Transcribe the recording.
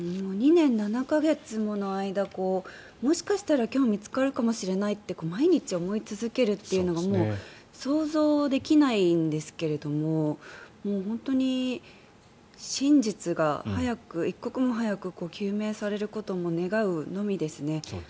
２年７か月もの間もしかしたら今日、見つかるかもしれないって毎日思い続けるというのが想像できないんですけれども本当に真実が一刻も早く究明されることを願うのみですね。